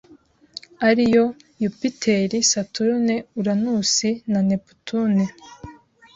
ari yo Yupiteri, Saturune, Uranusi na Neputune